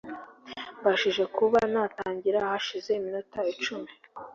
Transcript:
Mbashije kuba natangira hashize iminota icumi